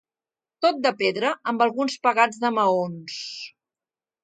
Tot de pedra amb alguns pegats de maons.